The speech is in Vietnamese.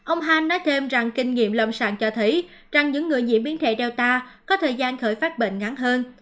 ông han nói thêm rằng kinh nghiệm lâm sàng cho thấy rằng những người nhiễm biến thể data có thời gian khởi phát bệnh ngắn hơn